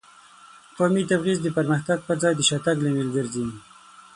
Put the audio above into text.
قومي تبعیض د پرمختګ په ځای د شاتګ لامل ګرځي.